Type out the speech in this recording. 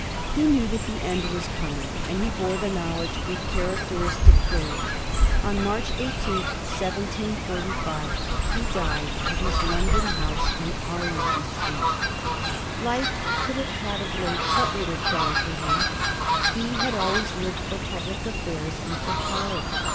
He knew that the end was coming, and he bore the knowledge with characteristic courage. On March 18, 1745, he died at his London hoase in Arling* ton Street. Life could have had of late but little charm for him. He had always lived for public affairs and for power.